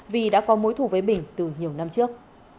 vì đã có mối thù với bình từ nhiều năm trước